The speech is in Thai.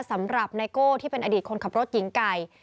ไนโก้ที่เป็นอดีตคนขับรถหญิงไก่